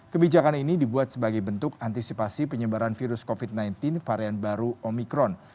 kebijakan ini dibuat sebagai bentuk antisipasi penyebaran virus covid sembilan belas varian baru omikron